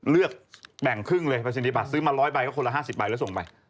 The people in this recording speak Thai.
เลือกแบ่งครึ่งเลยซื้อมา๑๐๐ใบก็คนละ๕๐ใบแล้วส่งไป